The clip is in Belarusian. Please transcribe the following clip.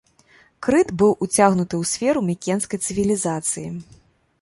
Крыт быў уцягнуты ў сферу мікенскай цывілізацыі.